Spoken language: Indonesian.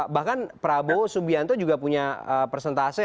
bahkan prabowo subianto juga punya persentase